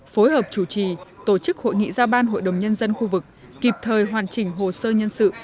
phối hợp chủ trì tổ chức hội nghị ra ban hội đồng nhân dân khu vực kịp thời hoàn chỉnh hồ sơ nhân sự